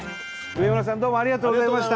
植村さんどうもありがとうございました。